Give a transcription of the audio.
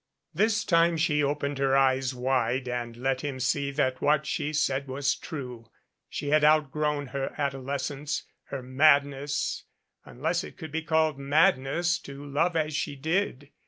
This time she opened her eyes wide and let him see that what she said was true. She had outgrown her ado lescence her madness, unless it could be called madness to love as she did.